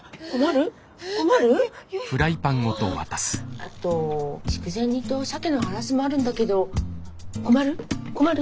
あと筑前煮とシャケのハラスもあるんだけど困る？